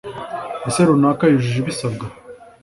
Ese runaka yujuje ibisabwa?